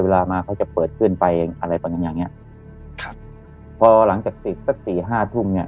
เวลามาเขาจะเปิดขึ้นไปอะไรประมาณอย่างเนี้ยครับพอหลังจากติดสักสี่ห้าทุ่มเนี้ย